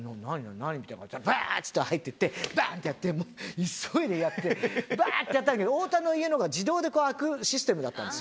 何って、ばーって入っていって、ばんってやって、急いでやって、ばーってやったんだけど、太田の家のが自動で開くシステムだったんです。